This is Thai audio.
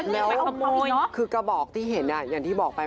แล้วคือกระบอกที่เห็นอย่างที่บอกไป